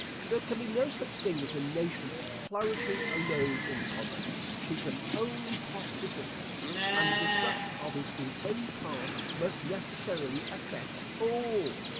There can be no such thing as a nation flourishing alone in commerce: she can only participate; and the destruction of it in any part must necessarily affect all.